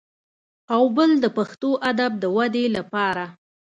او بل د پښتو ادب د ودې لپاره